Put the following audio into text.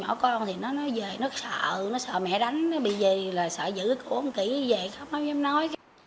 nhỏ con thì nó về nó sợ nó sợ mẹ đánh nó bị gì là sợ giữ cổ không kỹ gì không em nói